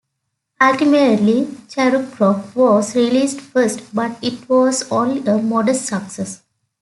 Ultimately, "Cherub Rock" was released first, but it was only a modest success.